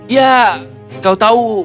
ya kau tahu